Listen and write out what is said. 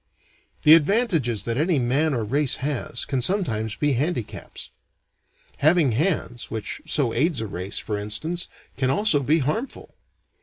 The advantages that any man or race has, can sometimes be handicaps. Having hands, which so aids a race, for instance, can also be harmful.